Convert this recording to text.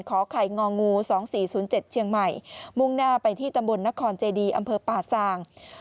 ไข่งองู๒๔๐๗เชียงใหม่มุ่งหน้าไปที่ตำบลนครเจดีอำเภอป่าซาง